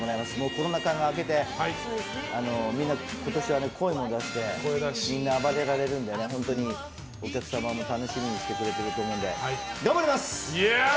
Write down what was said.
コロナ禍が明けて、みんな今年は声も出してみんな暴れられるので本当にお客さんも楽しみにしてくれてると思うので頑張ります！